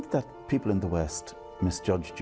apakah anda pikir orang di west memalukan anda